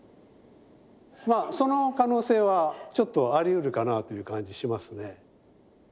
その可能性はちょっとありうるかなという感じしますね。